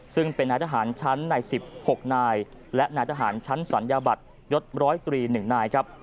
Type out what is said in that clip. ซึ่งเป็นนายทหารชั้นใน๑๖นายและนายทหารชั้นศัลยบัตรยศร้อยตรี๑นายครับ